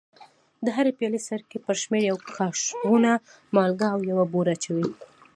د هرې پیالې سرکې پر شمېر یوه کاشوغه مالګه او یوه بوره اچوي.